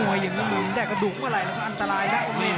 มวยยังไม่มีแดกกระดูกเวลาอันตรายนะ